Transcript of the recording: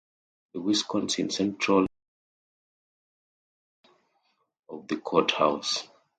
The Wisconsin central railroad determined the site of the courthouse.